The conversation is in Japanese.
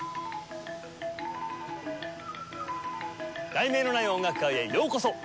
『題名のない音楽会』へようこそ！